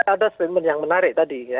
ada statement yang menarik tadi